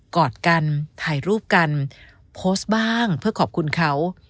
กอดกันถ่ายรูปกันโพสต์บ้างเพื่อขอบคุณเขา